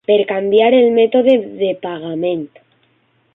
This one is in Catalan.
Per canviar el mètode de pagament.